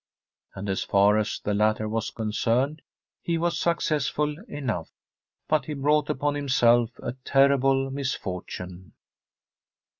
And as far as the latter was concerned he was successful enough. But he brought upon himself a terrible misfortune.